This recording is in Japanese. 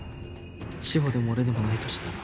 志法でも俺でもないとしたら。